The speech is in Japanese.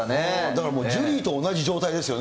だからもう、ジュリーと同じ状態ですよ。